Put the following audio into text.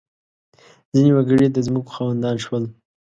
• ځینې وګړي د ځمکو خاوندان شول.